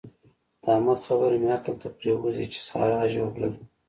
د احمد خبره مې عقل ته پرېوزي چې سارا ژوبله ده.